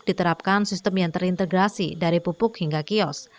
diterapkan sistem yang terintegrasi dari pupuk hingga kios